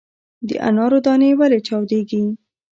د انارو دانې ولې چاودیږي؟